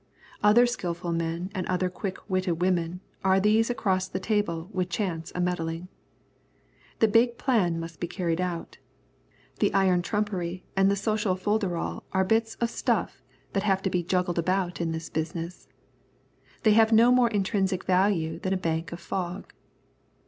Other skilful men and other quick witted women are there across the table with Chance a meddling. The big plan must be carried out. The iron trumpery and the social folderol are bits of stuff that have to be juggled about in this business. They have no more intrinsic value than a bank of fog.